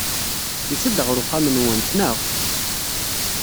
Yusa-d ɣer uxxam-nwent, naɣ?